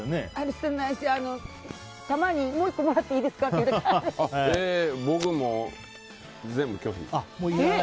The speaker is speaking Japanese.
捨てないしたまに、もう１個もらっていいですかって僕、もう全部拒否。